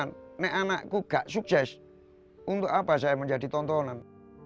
nek anakku gak sukses untuk apa saya mau jadi tontonan